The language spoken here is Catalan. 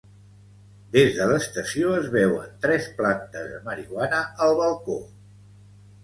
Des de l'estació es veuen tres plantes de marihuana al balcó